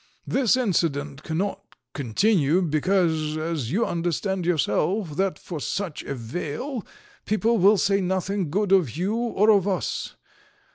"This incident cannot continue, because, as you understand yourself that for such a vale, people will say nothing good of you or of us.